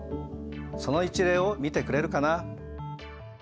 その一例を見てくれるかな。